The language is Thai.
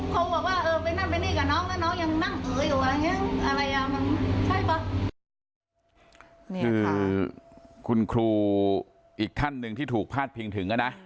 นี่คือคุณครูอีกท่านหนึ่งที่ถูกพาดพิงถึงอ่ะนะ